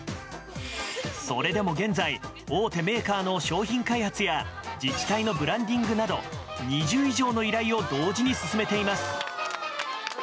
それでも現在、大手メーカーの商品開発や自治体のブランディングなど２０以上の依頼を同時に進めています。